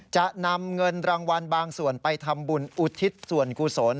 จะนำเงินรางวัลบางส่วนไปทำบุญอุทิศส่วนกุศล